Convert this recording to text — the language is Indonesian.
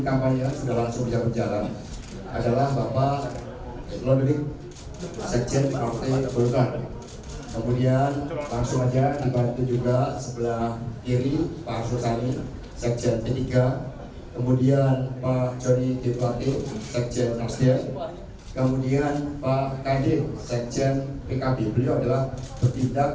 kemudian pak kd sekjen pkb beliau adalah bertindak